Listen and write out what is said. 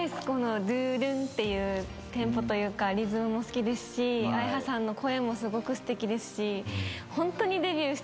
この「ドゥドゥン」っていうテンポというかリズムも好きですしあやはさんの声もすごくすてきですし。